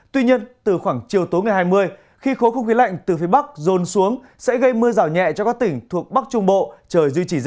tuy nhiên từ khoảng chiều tối ngày hai mươi khi khối không khí lạnh từ phía bắc rôn xuống sẽ gây mưa rào nhẹ cho các tỉnh thuộc bắc trung bộ